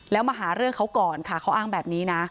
แล้วมาหาเรื่องเขาก่อนค่ะเขาอ้างแบบนี้นะ